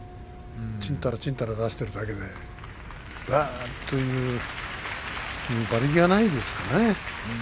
ちんたらちんたらと出しているだけでね馬力がないですよね。